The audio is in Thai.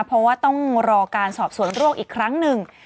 เพราะว่าต้องรอการสอบสวนโรคอีกครั้งหนึ่ง